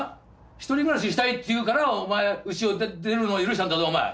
１人暮らししたいって言うからうちを出るのを許したんだぞ！